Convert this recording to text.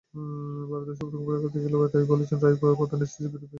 ভারতের Supreme Court একাধিক রায়ে বলেছেন, রায় প্রদানে সিপিসির বিধানাবলি মানতেই হবে।